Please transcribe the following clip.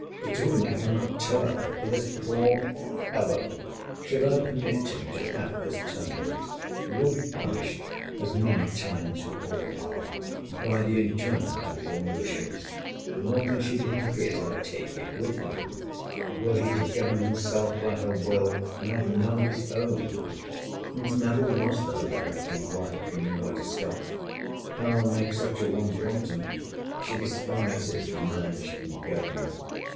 But to whom I cannot tell: for this poor fellow, should I permit him to have this termagant, will be punished, as many times we all are, by the enjoyment of his own wishes—nor can she be happy, as I take it, with him, were he to govern himself by her will, and have none of his own; since never was there a directing wife who knew where to stop: power makes such a one wanton—she despises the man she can govern.